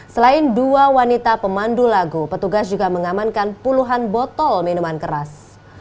selain dua wanita pemandu lagu petugas juga mengamankan puluhan botol minuman keras